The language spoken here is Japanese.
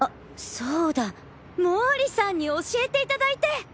そうだ毛利さんに教えていただいて。